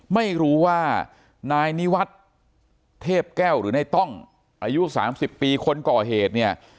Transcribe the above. ไม่รู้ว่านายนิวัฒน์เทพแก้วหรือในต้องอายุ๓๐ปีคนก่อเหตุเนี่ย